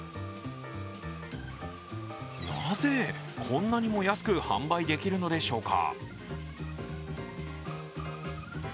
なぜ、こんなにも安く販売できるのでしょうか。